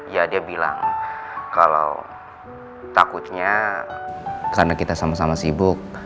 ya dia bilang kalau takutnya karena kita sama sama sibuk